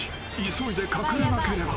［急いで隠れなければ］